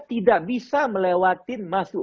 tidak bisa melewati masuk